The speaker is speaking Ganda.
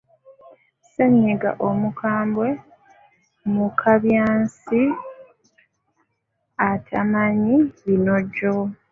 Ssennyiga omukambwe, mukaabyansi atamanyi binojjo!